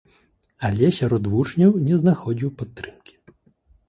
Але сярод вучняў не знаходзіў падтрымкі.